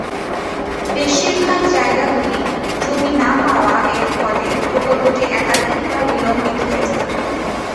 বেশিরভাগ জায়গাগুলি, জমি না পাওয়া এর ফলে প্রকল্পটি একাধিকবার বিলম্বিত হয়েছে।